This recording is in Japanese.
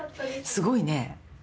すごいね。